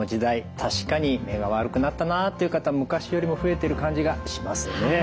確かに目が悪くなったなっていう方昔よりも増えてる感じがしますよね。